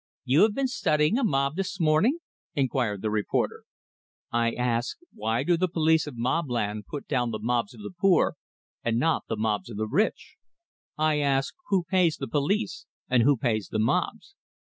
"You have been studying a mob this morning?" inquired the reporter. "I ask, why do the police of Mobland put down the mobs of the poor, and not the mobs of the rich? I ask, who pays the police, and who pays the mobs."